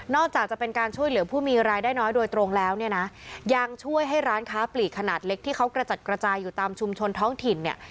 จะเป็นการช่วยเหลือผู้มีรายได้น้อยโดยตรงแล้วเนี่ยนะยังช่วยให้ร้านค้าปลีกขนาดเล็กที่เขากระจัดกระจายอยู่ตามชุมชนท้องถิ่นเนี่ย